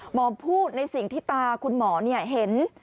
หมอพูดในสิ่งที่ตาคุณหมอเห็น